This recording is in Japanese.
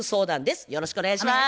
よろしくお願いします。